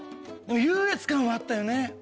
優越感はあったよね？